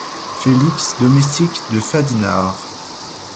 Félix , domestique de Fadinard.